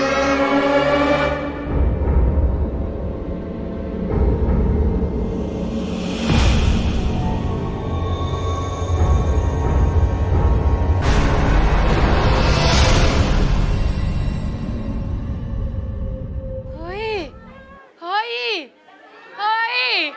โอ้ยเฮ้ยเฮ้ยเฮ้ย